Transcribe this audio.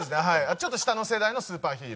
ちょっと下の世代のスーパーヒーロー。